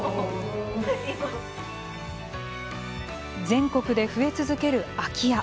全国で増え続ける空き家。